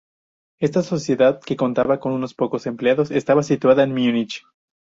Esta sociedad que contaba con unos pocos empleados estaba situada en Múnich.